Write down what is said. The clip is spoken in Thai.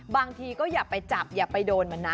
บางทีก็อย่าไปจับอย่าไปโดนมันนะ